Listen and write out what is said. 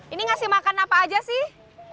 ini ngasih makan apa aja sih